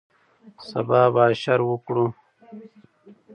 سبا به اشر وکړو